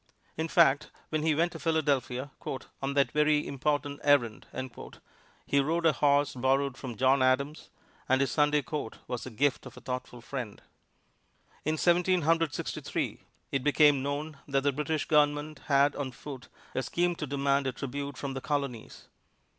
In fact, when he went to Philadelphia "on that very important errand," he rode a horse borrowed from John Adams, and his Sunday coat was the gift of a thoughtful friend. In Seventeen Hundred Sixty three, it became known that the British Government had on foot a scheme to demand a tribute from the Colonies.